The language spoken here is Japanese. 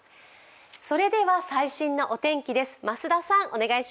それでは最新のお天気です。